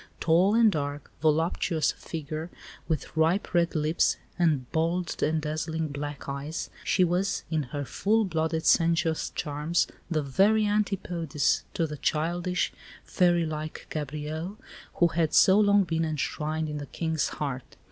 Tall and dark, voluptuous of figure, with ripe red lips, and bold and dazzling black eyes, she was, in her full blooded, sensuous charms, the very "antipodes" to the childish, fairy like Gabrielle who had so long been enshrined in the King's heart.